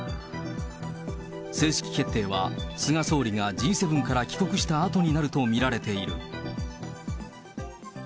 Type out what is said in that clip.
正式決定は、菅総理がＧ７から帰国したあとになると見られている。